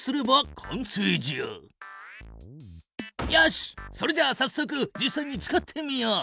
しっそれじゃあさっそく実さいに使ってみよう！